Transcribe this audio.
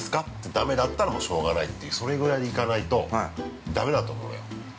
だめだったらしょうがないというそれぐらいでいかないとだめだと思うのよ。